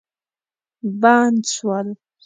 بند سول.